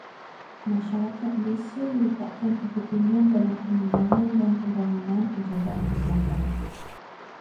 Masyarakat Malaysia meletakkan kepentingan dalam pengembangan dan pembangunan penjagaan kesihatan.